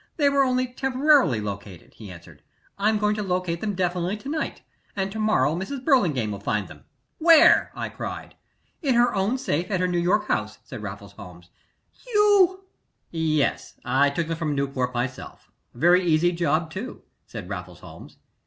They were only temporarily located," he answered. "I'm going to locate them definitely to night, and to morrow Mrs. Burlingame will find them " "Where?" I cried. "In her own safe in her New York house!" said Raffles Holmes. "You " "Yes I took them from Newport myself very easy job, too," said Raffles Holmes.